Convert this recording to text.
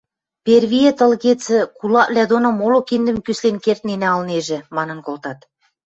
«Первиэт ылгецӹ, кулаквлӓ доны моло киндӹм кӱслен кердненӓ ылнежӹ», – манын колтат.